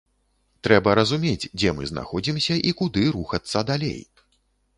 Трэба разумець, дзе мы знаходзімся і куды рухацца далей.